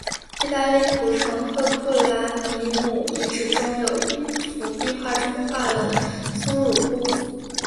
意大利古城赫库兰尼姆遗址中有一幅壁画中画了松乳菇。